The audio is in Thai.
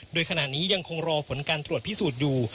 โดยขณะนี้ยังคงรอผลการตรวจพิสูจน์อยู่